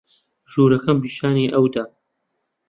ژوورەکەم پیشانی ئەو دا.